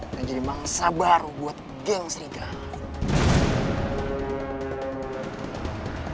yang jadi mangsa baru buat geng serigala